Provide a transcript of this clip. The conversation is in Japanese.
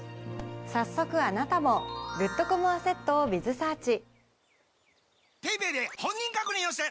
早速あなたもグッドコムアセットをｂｉｚｓｅａｒｃｈ。